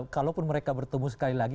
kalaupun mereka bertemu sekali lagi